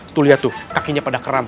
tuh lihat tuh kakinya pada keram